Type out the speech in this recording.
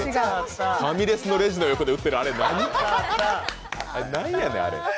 ファミレスのレジの横で売ってるあれ、何？